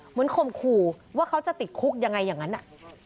ข่มขู่ว่าเขาจะติดคุกยังไงอย่างนั้นน่ะ